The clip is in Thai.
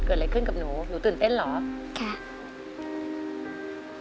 เกิดอะไรขึ้นกับหนูหนูตื่นเต้นเหรอค่ะ